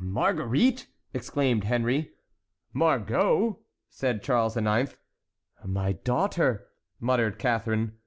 "Marguerite!" exclaimed Henry. "Margot!" said Charles IX. "My daughter!" muttered Catharine.